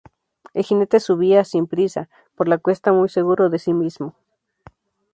El jinete subía, sin prisa, por la cuesta muy seguro de sí mismo.